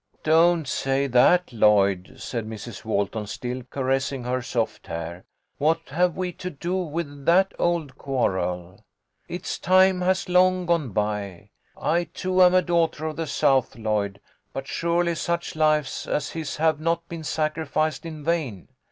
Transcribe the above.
"Don't say that, Lloyd," said Mrs. Walton, still caressing her soft hair. " What have we to do with that old quarrel ? Its time has long gone by. I, too, am a daughter of the South, Lloyd, but surely such lives as his have not been sacrificed in vain."